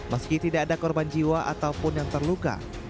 meski tidak ada korban jiwa ataupun yang terluka